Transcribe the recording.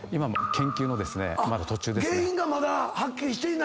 原因がまだはっきりしていないの？